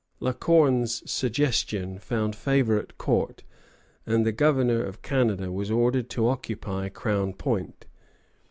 La Corne's suggestion found favor at court, and the Governor of Canada was ordered to occupy Crown Point.